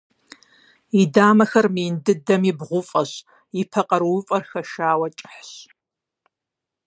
И дамэхэр мыин дыдэми, бгъуфӀэщ, и пэ къарууфӀэр хэшауэ кӀыхьщ.